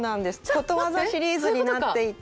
「ことわざシリーズ」になっていて。